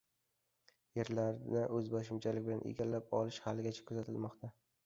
Yerlarni o‘zboshimchalik bilan egallab olish haligacha kuzatilmoqda